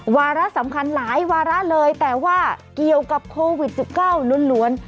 วาระสำคัญหลายวาระเลยแต่ว่าเกี่ยวกับโควิด๑๙ล้วน